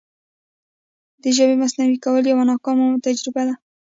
د ژبې مصنوعي کول یوه ناکامه تجربه ده.